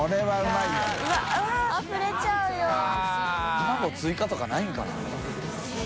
卵追加とかないんかな。